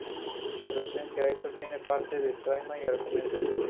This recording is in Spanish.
Advertencia: Esto tiene parte de la Trama y Argumento.